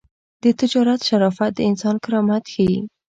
د تجارت شرافت د انسان کرامت ښيي.